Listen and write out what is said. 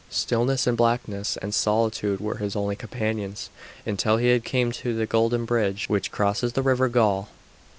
Stillness and blackness and solitude were his only companions until he came to the golden bridge which crosses the river Gjol.